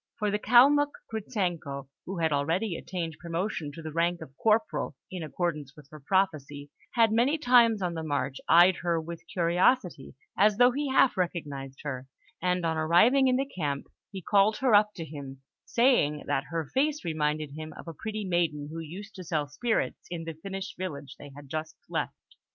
For the Kalmuk, Gritzenko, who had already attained promotion to the rank of corporal, in accordance with her prophecy, had many times on the march eyed her with curiosity, as though he half recognised her; and on arriving in the camp, he called her up to him, saying that her face reminded him of a pretty maiden who used to sell spirits in the Finnish village they had just left.